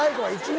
はい